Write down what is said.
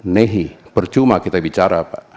nehi percuma kita bicara pak